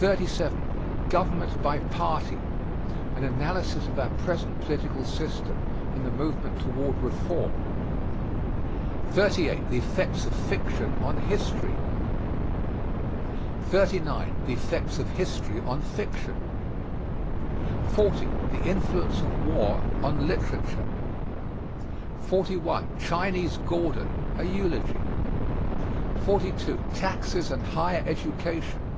37. GOVERNMENT BY PARTY. An analysis of our present political system and the movement toward reform. 38. THE EFFECTS OF FICTION ON HISTORY. 39. THE EFFECTS OF HISTORY ON FICTION. 40. THE INFLUENCE OF WAR ON LITERATURE. 41. CHINESE GORDON. A eulogy. 42. TAXES AND HIGHER EDUCATION.